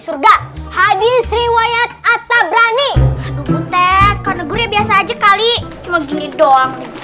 surga hadits riwayat atta brani butet koneguri biasa aja kali cuma gini doang banget